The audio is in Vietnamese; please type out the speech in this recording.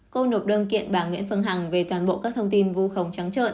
cô nộp đơn kiện bà nguyễn phương hằng về toàn bộ các thông tin vô khổng trắng trợn